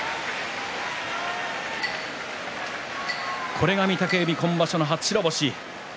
これが御嶽海、今場所の初白星。